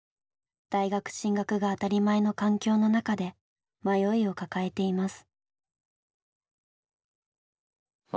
大学進学が当たり前の環境の中で迷いを抱えています。